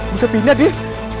bisa pindah deh